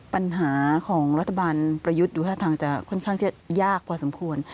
ปัญหาของรัฐบาลประยุทธ์ดูท่าทางจะค่อนข้างจะยากพอสมควร